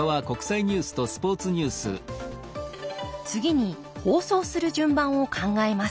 次に放送する順番を考えます。